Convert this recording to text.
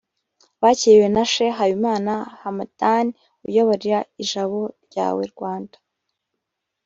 bakiriwe na Sheikh Habimana Hamdan uyobora Ijabo Ryawe Rwanda